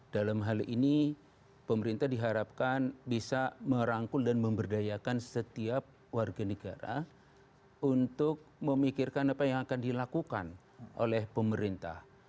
dalam hal ini pemerintah diharapkan bisa merangkul dan memberdayakan setiap warga negara untuk memikirkan apa yang akan dilakukan oleh pemerintah